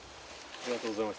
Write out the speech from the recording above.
ありがとうございます。